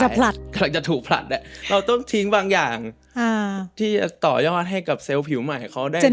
ผลัดกำลังจะถูกผลัดอ่ะเราต้องทิ้งบางอย่างที่จะต่อยอดให้กับเซลล์ผิวใหม่เขาได้ไหม